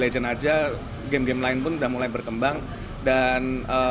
legend aja game game lain pun sudah mulai berkembang dan